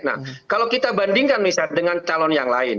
nah kalau kita bandingkan misalnya dengan calon yang lain